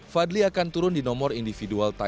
fadli akan turun di nomor satu di dunia balap motor